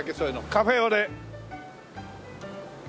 カフェオレ。